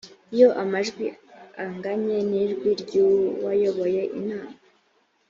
iyo amajwi anganye ijwi ry uwayoboye inama